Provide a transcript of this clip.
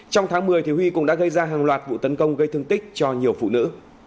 trong tháng một mươi huy cũng đã gây ra hàng loạt vụ tấn công gây thương tích cho nhiều phụ nữ